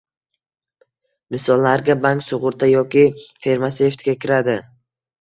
Misollarga bank, sug'urta yoki farmatsevtika kiradi